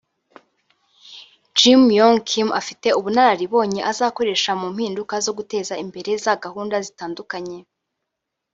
Jim Yong Kim afite ubunararibonye azakoresha mu mpinduka zo guteza imbere za gahunda zitandukanye"